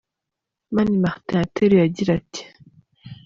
Mani Martin yateruye agira ati :.